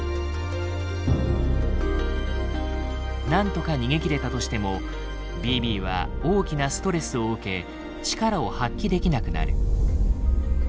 何とか逃げきれたとしてもＢＢは大きなストレスを受け力を発揮できなくなる。